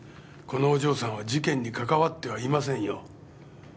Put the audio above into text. このお嬢さんは事件にかかわってはいませんよ。